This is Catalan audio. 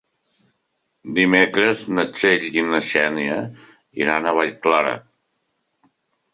Dimecres na Txell i na Xènia iran a Vallclara.